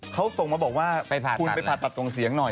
เขาส่งมาบอกว่าคุณไปผ่าตัดตรงเสียงหน่อย